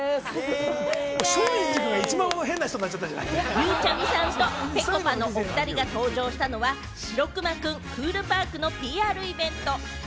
ゆうちゃみさんとぺこぱのお２人が登場したのは「白くまくんＣＯＯＬＰＡＲＫ」のＰＲイベント。